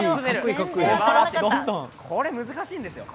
これ、難しいんですよ。